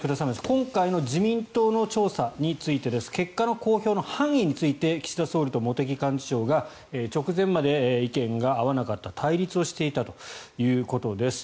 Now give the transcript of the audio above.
今回の自民党の調査について結果の公表の範囲について岸田総理と茂木幹事長が直前まで意見が合わなかった対立をしていたということです。